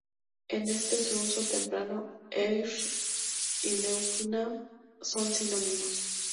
En este uso temprano, "aer" y "pneuma" son sinónimos.